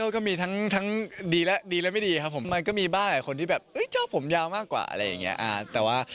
ก็มีทั้งดีและดีและไม่ดีครับผมมันก็มีบ้างหลายคนที่แบบชอบผมยาวมากกว่าอะไรอย่างนี้